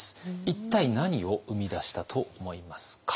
一体何を生み出したと思いますか？